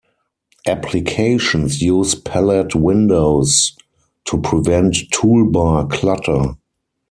Applications use palette windows to prevent toolbar clutter.